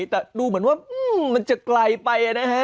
แต่ดูเหมือนว่ามันจะไกลไปนะฮะ